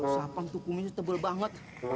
sapan tukungnya tebal banget